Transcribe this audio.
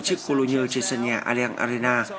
trước cologne trên sân nhà allianz arena